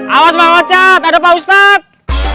awas pak ocat ada pak ustadz